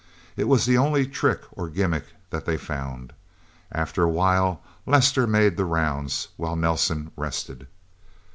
It was the only trick or gimmick that they found. After a while, Lester made the rounds, while Nelsen rested.